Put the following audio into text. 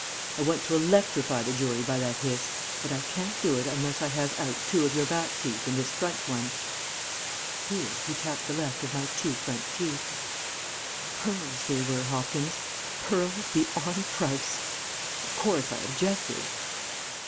I want to electrify the jury by that hiss, but I can't do it unless I have out two of your back teeth and this front one.' "Here he tapped the left of my two front teeth pearls they were, Hopkins, pearls beyond price. Of course I objected.